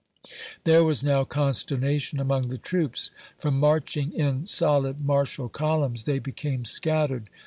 There was now consternation among the troops. From marching in solid martial columns, they became scattered.